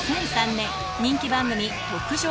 ２００３年、人気番組、特上！